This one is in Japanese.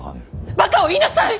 ばかを言いなさい！